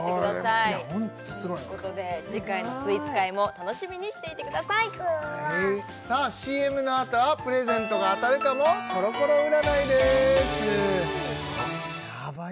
これホントすごいわ次回のスイーツ回も楽しみにしていてくださいさあＣＭのあとはプレゼントが当たるかもコロコロ占いです